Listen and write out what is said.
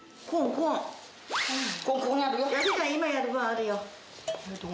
コーン、今、やる分あるよ。